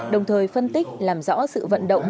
đồng thời phân tích làm rõ sự vận động